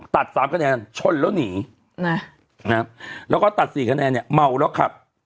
ตัด๓คะแนนชนแล้วหนีแล้วก็ตัด๔คะแนนเมาแล้วขับ